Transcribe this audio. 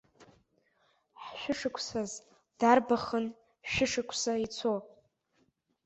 Ҳшәышықәсаз дарбахын шәышықәса ицо!